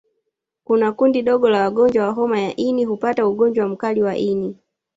Kuna kundi dogo la wagonjwa wa homa ya ini hupata ugonjwa mkali wa ini